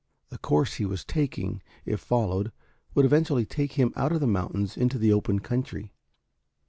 The course he was taking, if followed, would eventually take him out of the mountains into the open country.